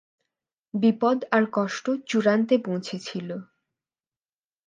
বিপদ আর কষ্ট চূড়ান্তে পৌঁছেছিল।